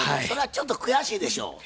それはちょっと悔しいでしょ？